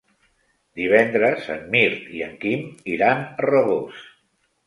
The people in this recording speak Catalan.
Divendres en Mirt i en Quim iran a Rabós.